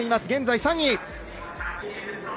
現在３位。